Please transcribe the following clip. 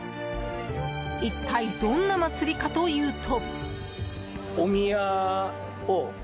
一体どんな祭りかというと。